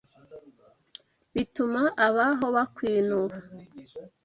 Bituma ab’aho bakwinuba